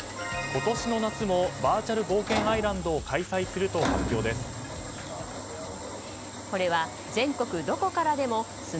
今年の夏もバーチャル冒険アイランドを開催すると発表です。